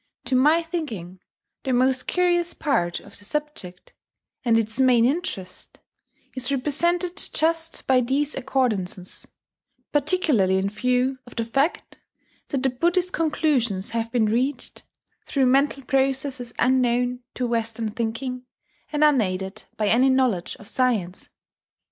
To my thinking, the most curious part of the subject, and its main interest, is represented just by these accordances, particularly in view of the fact that the Buddhist conclusions have been reached through mental processes unknown to Western thinking, and unaided by any knowledge of science....